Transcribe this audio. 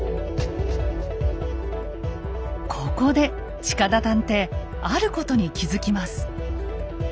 ここで近田探偵あることに気付きます。